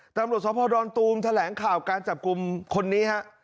ตำรวจสภดอนตูมแถลงข่าวการจับกลุ่มคนนี้ฮะ